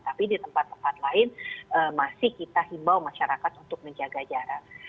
tapi di tempat tempat lain masih kita himbau masyarakat untuk menjaga jarak